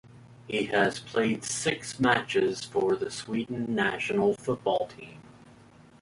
He has played six matches for the Sweden national football team.